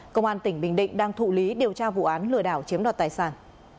công an tỉnh bình định đang thụ lý điều tra vụ án lừa đảo chiếm đoạt tài sản